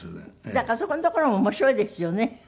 だからそこのところも面白いですよね。